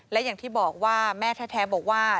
และอย่างที่บอกว่าแม่แท้บอกว่า